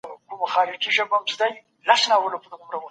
په ګرځېدو کې د چا مرسته نه غوښتل کېږي.